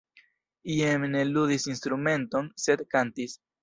Jim ne ludis instrumenton, sed kantis.